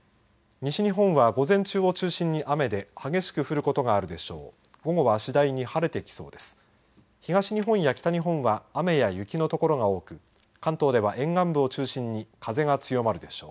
西日本は午前中を中心に雨で、激しく降ることがあるでしょう。